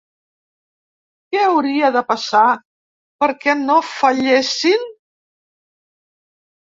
Què hauria de passar perquè no fallessin?